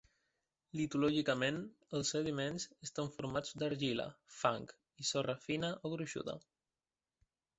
Litològicament, els sediments estan formats d'argila, fang i sorra fina o gruixuda.